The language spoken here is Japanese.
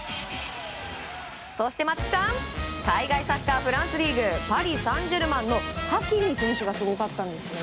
そして松木さん海外サッカー、フランスリーグパリ・サンジェルマンのハキミ選手がすごかったんですよね。